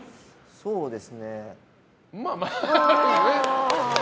そうですね。